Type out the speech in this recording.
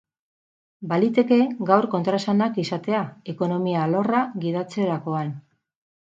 Baliteke gaur kontraesanak izatea, ekonomia alorra gidatzerakoan.